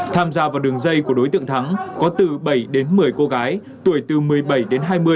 tham gia vào đường dây của đối tượng thắng có từ bảy đến một mươi cô gái tuổi từ một mươi bảy đến hai mươi